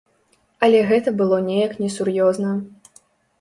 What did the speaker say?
Але гэта было неяк несур'ёзна.